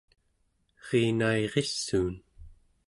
erinairissuun